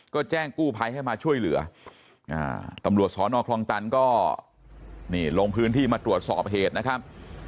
ก็แจ้งกู้ภัยให้มาช่วยเหลือตำรวจสอนอคลองตันก็นี่ลงพื้นที่มาตรวจสอบเหตุนะครับ